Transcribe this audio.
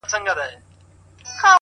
پربت باندي يې سر واچوه.